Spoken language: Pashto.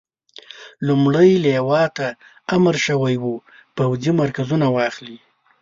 لومړۍ لواء ته امر شوی وو پوځي مرکزونه واخلي.